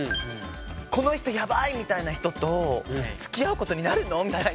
この人ヤバい！みたいな人とつきあうことになるの？みたいな。